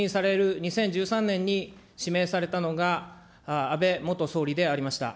２０１３年に指名されたのが安倍元総理でありました。